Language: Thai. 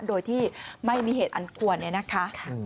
โดยที่ไม่มีเหตุอันควรเนี่ยนะคะ